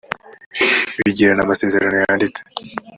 bigirana amasezerano yanditse